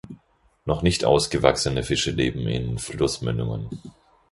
Noch nicht ausgewachsene Fische leben in Flussmündungen.